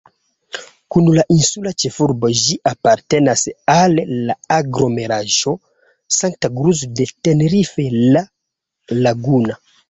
Kun la insula ĉefurbo ĝi apartenas al la aglomeraĵo Santa Cruz de Tenerife-La Laguna.